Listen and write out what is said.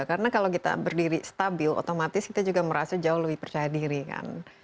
karena kalau kita berdiri stabil otomatis kita juga merasa jauh lebih percaya diri kan